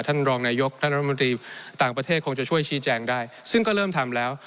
ท่านรองนายกท่านรัฐมนตรีต่างประเทศคงจะช่วยชี้แจงได้ซึ่งก็เริ่มทำแล้ว